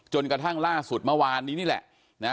กระทั่งล่าสุดเมื่อวานนี้นี่แหละนะ